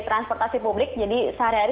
transportasi publik jadi sehari hari